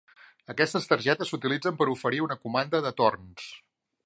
Aquestes targetes s'utilitzen per oferir una comanda de torns.